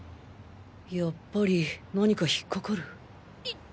やっぱり何か引っかかる痛っ！